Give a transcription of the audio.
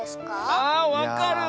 あわかる！